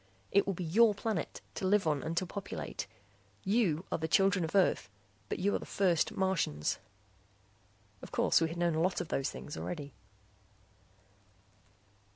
"It will be your planet, to live on and to populate. You are the children of Earth but you are the first Martians." Of course we had known a lot of those things already.